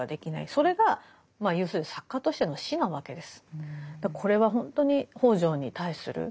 それがまあ要するに作家としての死なわけです。